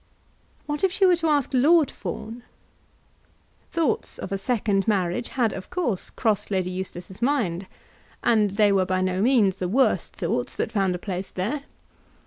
What if she were to ask Lord Fawn? Thoughts of a second marriage had, of course, crossed Lady Eustace's mind, and they were by no means the worst thoughts that found a place there.